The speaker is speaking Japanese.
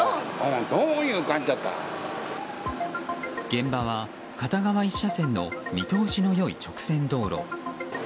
現場は片側１車線の見通しの良い直線道路。